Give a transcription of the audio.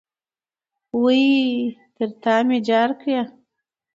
وئ ! تر تامي جار کړې